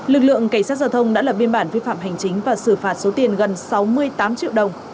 lực lượng cảnh sát giao thông đã lập biên bản vi phạm hành chính và xử phạt số tiền gần sáu mươi tám triệu đồng